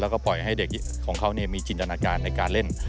แล้วก็ปล่อยให้เด็กของเขามีจินตนาการในการเล่น